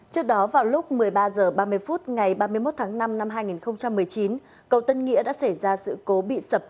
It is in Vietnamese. trước đó vào lúc một mươi ba h ba mươi phút ngày ba mươi một tháng năm năm hai nghìn một mươi chín cầu tân nghĩa đã xảy ra sự cố bị sập